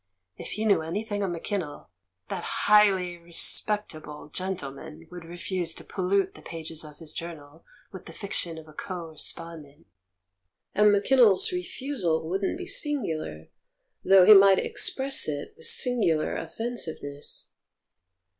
If he knew anything of McKinnell, that highly respectable gentleman would refuse to pollute the pages of his journal with the fiction of a co respondent. And McKinnell's refusal wouldn't be singular, though he might express it with singular offen siveness.